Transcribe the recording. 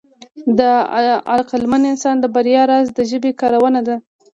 د عقلمن انسان د بریا راز د ژبې کارونه ده.